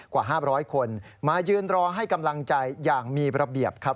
กว่า๕๐๐คนมายืนรอให้กำลังใจอย่างมีระเบียบครับ